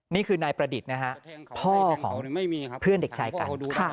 นี่คือนายประดิษฐ์นะฮะพ่อของเพื่อนเด็กชายกัน